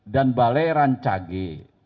dan balai rancage